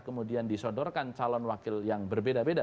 kemudian disodorkan calon wakil yang berbeda beda